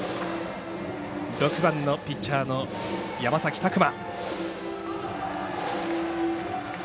６番のピッチャーの山崎琢磨。